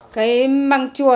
cái măng chua